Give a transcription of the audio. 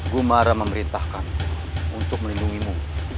gumara memerintahkanku untuk melindungimu